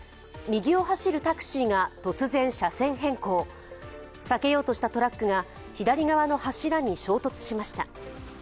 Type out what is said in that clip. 右を走るタクシーが突然、車線変更避けようとしたトラックが左側の柱に衝突しました。